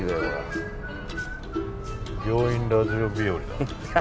「病院ラジオ」日和だ。